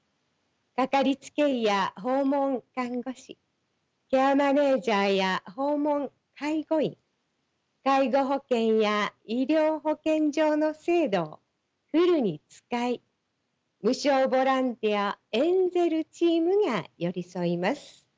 掛かりつけ医や訪問看護師ケアマネジャーや訪問介護員介護保険や医療保険上の制度をフルに使い無償ボランティアエンゼルチームが寄り添います。